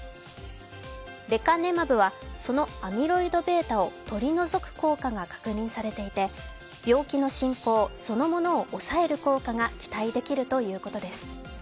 レカネマブはそのアミロイドβを取り除く効果が確認されていて、病気の進行そのものを抑える効果が期待できるということです。